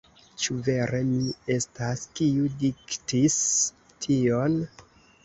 Ĉu vere mi estas, kiu diktis tion?